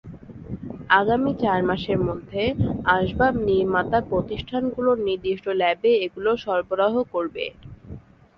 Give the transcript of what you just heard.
আগামী চার মাসের মধ্যে আসবাব নির্মাতা প্রতিষ্ঠানগুলো নির্দিষ্ট ল্যাবে এগুলো সরবরাহ করবে।